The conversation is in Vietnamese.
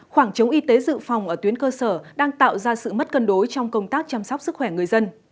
khoảng trống y tế dự phòng ở tuyến cơ sở đang tạo ra sự mất cân đối trong công tác chăm sóc sức khỏe người dân